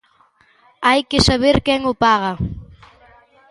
Hai que saber quen o paga.